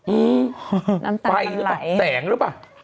อื้อไฟหรือเปล่าแต่งหรือเปล่า